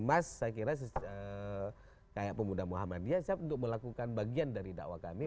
mas saya kira kayak pemuda muhammadiyah siap untuk melakukan bagian dari dakwah kami